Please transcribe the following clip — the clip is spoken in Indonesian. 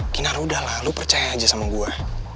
kinaru udah lah lu percaya aja sama gue